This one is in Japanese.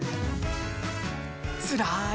つらーい